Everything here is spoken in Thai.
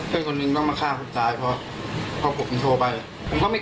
ผมคิดมุ่งกลับไม่ได้พี่